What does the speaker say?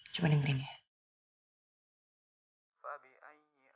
cuma dengerin ya